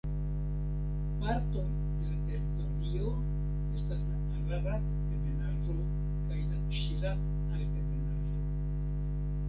Partoj de la teritorio estas la Ararat-ebenaĵo kaj la Ŝirak-altebenaĵo.